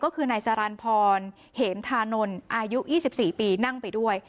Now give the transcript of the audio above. ก็คือนายสรรพรเหมธานนท์อายุอี่สิบสี่ปีนั่งไปด้วย